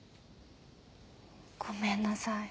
ごめんなさい。